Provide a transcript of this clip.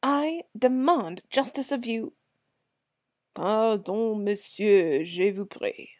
I demand justice of you " "_Pardon, monsieur, je vous prie.